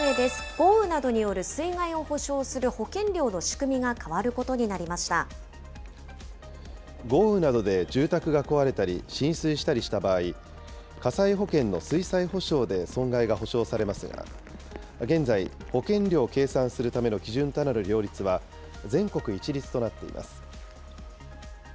豪雨などによる水害を補償する保険料の仕組みが変わることになり豪雨などで住宅が壊れたり浸水したりした場合、火災保険の水災補償で損害が補償されますが、現在、保険料を計算するための基準となる料率は、全国一律となっています。